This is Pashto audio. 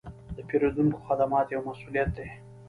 د پیرودونکو خدمت یو مسوولیت دی.